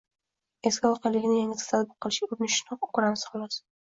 eski voqelikni yangisiga tatbiq qilishga urinishini ko‘ramiz, xolos.